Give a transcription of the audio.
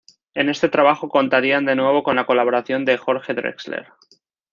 En este trabajo contarían de nuevo con la colaboración de Jorge Drexler.